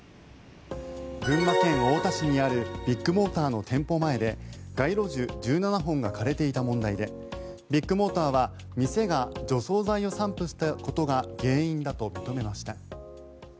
群馬県太田市にあるビッグモーターの店舗前で街路樹１７本が枯れていた問題でビッグモーターは店が除草剤を散布したことが原因だと認めました。